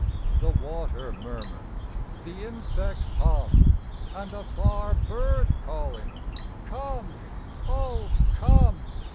The water murmur, the insect hum, And a far bird calling, _Come, oh, come!